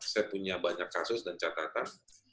saya punya banyak kasus dan catatan